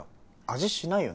味しないよね。